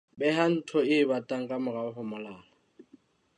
Beha ntho e batang ka morao ho molala.